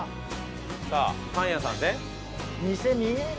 さあパン屋さんですね。